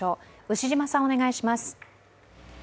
牛島さん、お願いします。